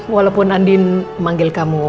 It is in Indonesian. walaupun andin manggil kamu